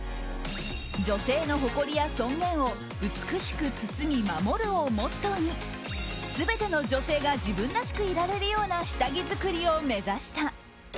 女性の誇りや尊厳を美しく包み守るをモットーに全ての女性が自分らしくいられるような下着作りを目指した。